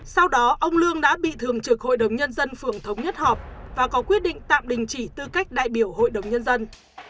sau đó ông lương đã bị thường trực hội đồng nhân dân phường thống nhất họp và có quyết định tạm đình chỉ tư cách đại biểu hội đồng nhân dân